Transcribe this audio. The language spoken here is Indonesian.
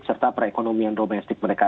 serta perekonomian domestik mereka